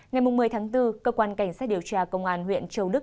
ngày một mươi tháng bốn cơ quan cảnh sát điều tra công an huyện châu đức